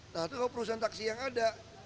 nah itu kalau perusahaan taksi yang ada